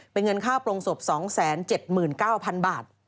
เป็นเงินค่าโปรงศพ๒๗๙๐๐บาท